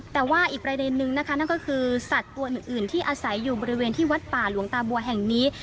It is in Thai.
แต่ว่าอีกประเด็นนึงนะคะนั่นก็คือสัตว์ตัวอื่นที่อาศัยอยู่บริเวณที่วัดป่าหลวงตาบัวแห่งนี้